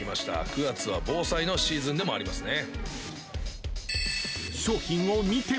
９月は防災のシーズンでもありますね。